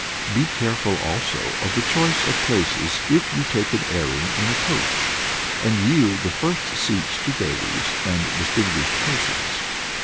Be careful also of the choice of places if you take an airing in a coach, and yield the first seats to ladies and distinguished persons.